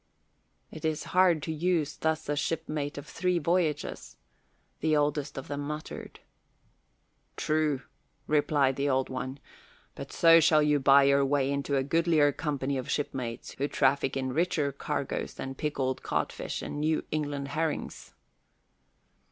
"It is hard to use thus a shipmate of three voyages," the oldest of them muttered. "True," replied the Old One, "but so shall you buy your way into a goodlier company of shipmates, who traffic in richer cargoes than pickled codfish and New England herrings."